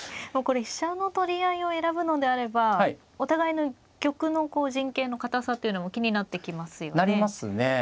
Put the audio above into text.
飛車の取り合いを選ぶのであればお互いの玉の陣形の堅さというのも気になってきますよね。